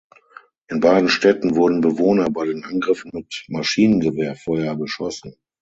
In beiden Städten wurden Bewohner bei den Angriffen mit Maschinengewehrfeuer beschossen.